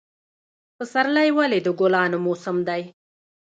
پسرلی ولې د ګلانو موسم دی؟